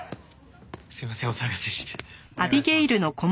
すいませんお騒がせして。